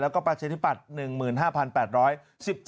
แล้วก็ประเศษฐิบัติ